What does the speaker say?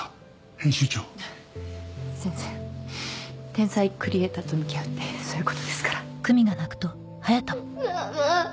編集長全然天才クリエイターと向き合うってそういうことですからママ